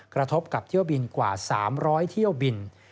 กระทบกับเที่ยวบินกว่า๓๐๐เที่ยวบิน